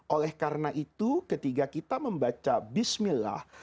oleh karena itu ketika kita membaca bismillah